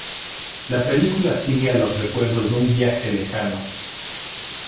La película sigue a los recuerdos de un viaje lejano.